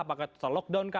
apakah total lockdown kah